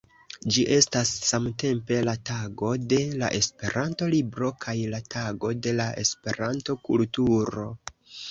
Ĝi estas samtempe la Tago de la Esperanto-libro kaj la Tago de la Esperanto-kulturo.